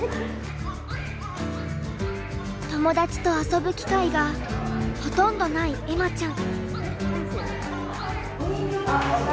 友だちと遊ぶ機会がほとんどない恵麻ちゃん。